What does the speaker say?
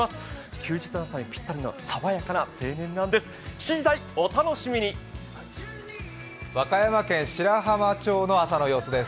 休日の朝にぴったりの爽やかな青年なんです。